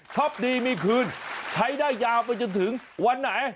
ดีมีคืนใช้ได้ยาวไปจนถึงวันไหน